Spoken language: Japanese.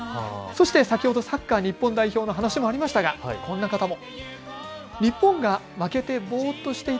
そして先ほどサッカー日本代表の話もありましたがこんな人も。